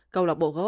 cầu lọc bộ golf